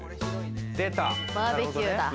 バーベキューだ。